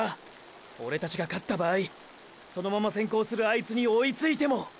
オレたちが勝った場合そのまま先行するアイツに追いついても。